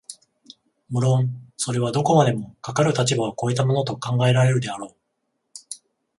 無論それはどこまでもかかる立場を越えたものと考えられるであろう、